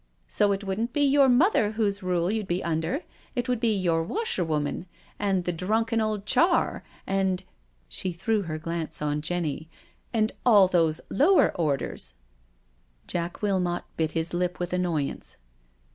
So it wouldn't be your mother whose rule you'd be under, it would be your washerwoman, and the drunken old char and "— she threw her glance on Jenny —and all those lower orders." AT THE week end COTTAGE 163 Jack Wilmot bit bis lip witb annoyance.